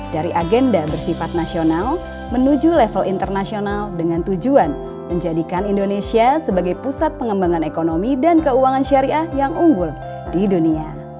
dari agenda bersifat nasional menuju level internasional dengan tujuan menjadikan indonesia sebagai pusat pengembangan ekonomi dan keuangan syariah yang unggul di dunia